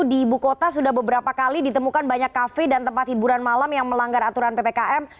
di ibu kota sudah beberapa kali ditemukan banyak kafe dan tempat hiburan malam yang melanggar aturan ppkm